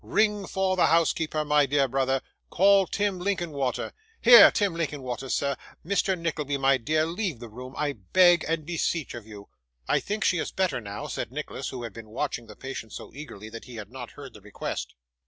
'Ring for the housekeeper, my dear brother call Tim Linkinwater! Here, Tim Linkinwater, sir Mr. Nickleby, my dear sir, leave the room, I beg and beseech of you.' 'I think she is better now,' said Nicholas, who had been watching the patient so eagerly, that he had not heard the request.